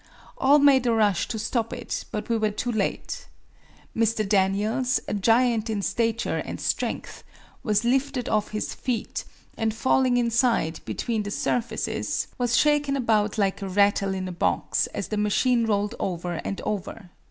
All made a rush to stop it, but we were too late. Mr. Daniels, a giant in stature and strength, was lifted off his feet, and falling inside, between the surfaces, was shaken about like a rattle in a box as the machine rolled over and over.